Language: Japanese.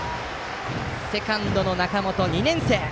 セカンドの中本、２年生！